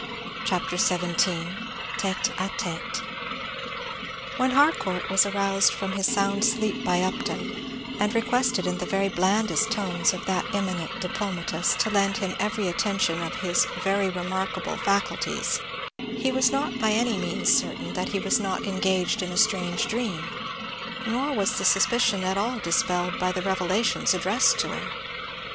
CHAPTER XVII. A TÊTE À TÊTE When Harcourt was aroused from his sound sleep by Upton, and requested in the very blandest tones of that eminent diplomatist to lend him every attention of his "very remarkable faculties," he was not by any means certain that he was not engaged in a strange dream; nor was the suspicion at all dispelled by the revelations addressed to him.